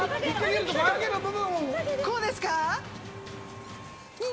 こうですか？